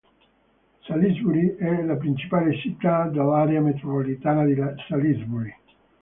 Salisbury è la principale città dell'area metropolitana di Salisbury.